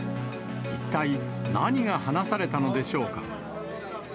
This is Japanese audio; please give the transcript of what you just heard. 一体、何が話されたのでしょうか。